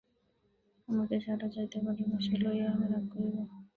আমাকে ছাড়িয়া যাইতে পার না, সে লইয়া আমি রাগ করিব?